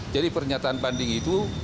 jadi pernyataan banding itu